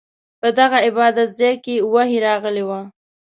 په دغه عبادت ځاې کې وحې راغلې وه.